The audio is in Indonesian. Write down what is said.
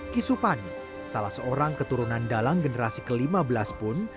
kisu pani salah seorang keturunan dalam generasi ke lima belas pun